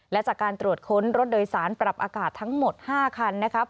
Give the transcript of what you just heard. และจากการตรวจค้นรถโดยสารปรับอากาศทั้งหมด๕คันนะครับ